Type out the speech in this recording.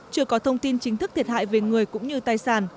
chưa có thông tin chính thức thiệt hại về người cũng như tài sản